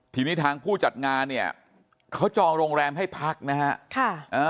ทีนี้ทางผู้จัดงานเนี่ยเขาจองโรงแรมให้พักนะฮะ